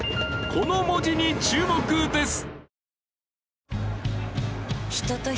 この文字に注目です！